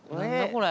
これ。